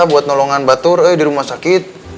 buat nolongan batur eh di rumah sakit